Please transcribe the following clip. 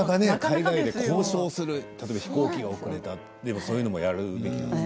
海外で交渉する、例えば飛行機が遅れた、そういうのもやるんですね。